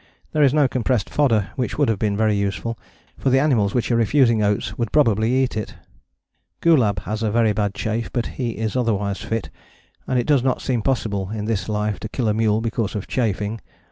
There is no compressed fodder, which would have been very useful, for the animals which are refusing the oats would probably eat it. Gulab has a very bad chafe, but he is otherwise fit and it does not seem possible in this life to kill a mule because of chafing.